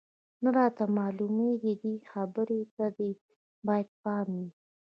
نه راته معلومېږي، دې خبرې ته دې باید پام وي.